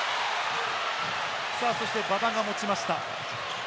そして馬場が持ちました。